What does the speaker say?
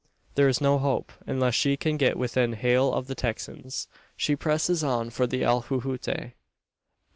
There is no hope, unless she can get within hail of the Texans. She presses on for the alhuehuete.